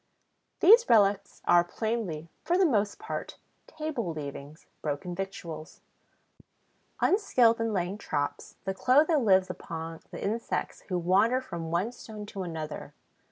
These relics are plainly, for the most part, table leavings, broken victuals. Unskilled in laying traps, the Clotho lives upon the insects who wander from one stone to another.